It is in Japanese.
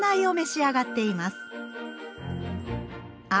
あ！